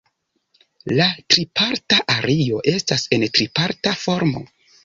La triparta ario estas en triparta formo.